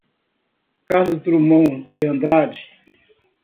Carlos Drummond de Andrade.